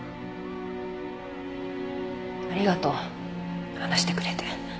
ありがとう話してくれて。